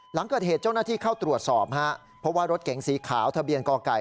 หลังเกิดเหตุเจ้าหน้าที่เข้าตรวจสอบฮะเพราะว่ารถเก๋งสีขาวทะเบียนกไก่